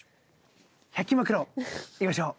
１００均マクロいきましょう！